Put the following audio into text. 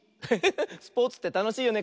スポーツってたのしいよね。